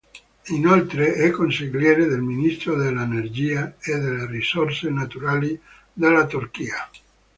Inoltre, è consigliere del Ministro dell'Energia e delle Risorse Naturali della Turchia.